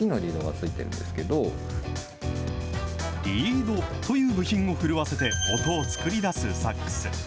リードという部品を震わせて、音を作り出すサックス。